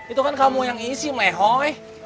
itu kan kamu yang isi mehoy